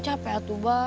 capek ya tuh abah